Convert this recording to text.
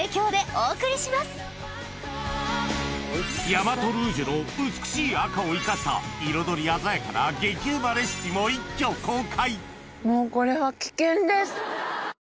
大和ルージュの美しい赤を生かした彩り鮮やかな激うまレシピも一挙公開